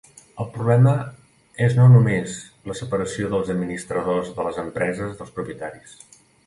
El problema és no només la separació dels administradors de les empreses dels propietaris.